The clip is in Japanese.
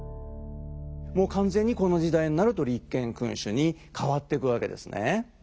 もう完全にこの時代になると立憲君主に変わっていくわけですね。